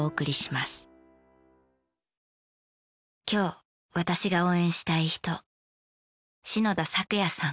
今日私が応援したい人。